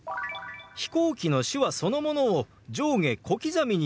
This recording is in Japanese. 「飛行機」の手話そのものを上下小刻みに揺らして表現します。